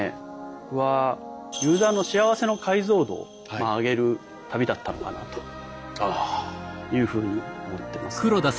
僕はユーザーの幸せの解像度を上げる旅だったのかなというふうに思ってますね。